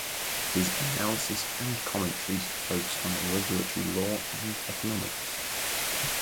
His analysis and commentaries focus on regulatory law and economics.